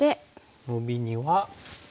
ノビには。